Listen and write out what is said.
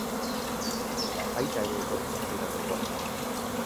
Aita ere etorri zitzaidan gogora.